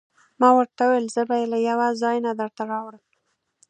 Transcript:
ما ورته وویل: زه به يې له یوه ځای نه درته راوړم.